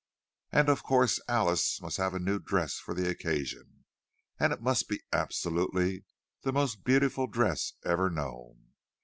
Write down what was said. And of course Alice must have a new dress for the occasion, and it must be absolutely the most beautiful dress ever known.